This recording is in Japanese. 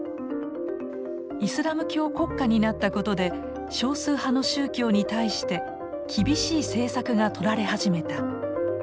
イスラム教国家になったことで少数派の宗教に対して厳しい政策がとられ始めた。